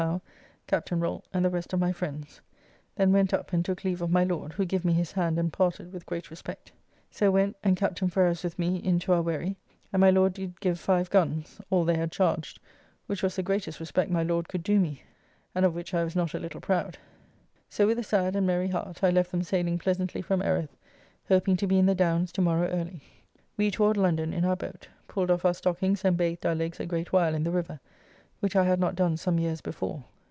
Howe, Captain Rolt, and the rest of my friends, then went up and took leave of my Lord, who give me his hand and parted with great respect. So went and Captain Ferrers with me into our wherry, and my Lord did give five guns, all they had charged, which was the greatest respect my Lord could do me, and of which I was not a little proud. So with a sad and merry heart I left them sailing pleasantly from Erith, hoping to be in the Downs tomorrow early. We toward London in our boat. Pulled off our stockings and bathed our legs a great while in the river, which I had not done some years before.